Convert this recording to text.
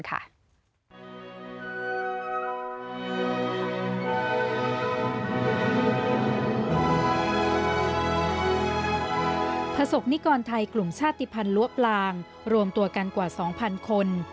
ประสบนิกรไทยกลุ่มชาติภัณฑ์ล้วปลางรวมตัวกันกว่า๒๐๐คน